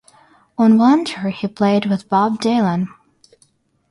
On one tour he played with Bob Dylan.